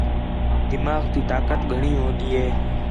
دماغ تی طاقت گھݨی ہون٘دی ہِے